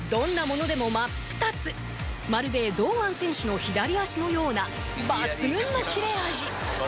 まるで堂安選手の左足のような抜群の切れ味！